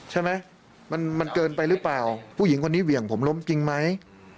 ใช่ไหมมันเกินไปหรือเปล่าผู้หญิงคนนี้เหวี่ยงผมล้มจริงไหม